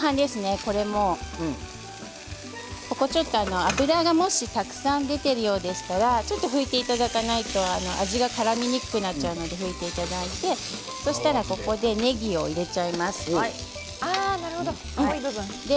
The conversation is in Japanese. ここ、ちょっと脂がもしたくさん出ているようでしたらちょっと拭いていただかないと味がからみにくくなっちゃうので拭いていただいてそうしたら、ここでなるほど。